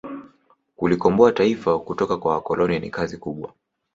kulikomboa taifa kutoka kwa wakoloni ni kazi kubwa